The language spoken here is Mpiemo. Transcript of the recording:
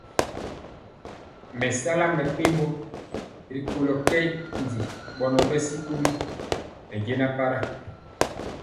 Me sala mɛpembo rikolo kɛndi bɔnɔ bɛ sikoli ne jɛna para,